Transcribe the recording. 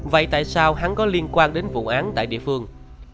vậy tại sao hắn có liên quan đến vụ án tại địa phương